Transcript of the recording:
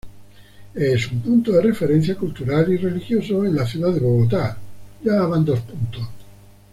Es un punto de referencia cultural y religioso en la ciudad de Bogotá.